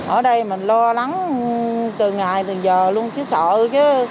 ở đây mình lo lắng từ ngày từ giờ luôn chứ sợ chứ